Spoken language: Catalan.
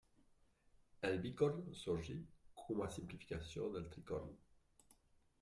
El bicorn sorgí com a simplificació del tricorn.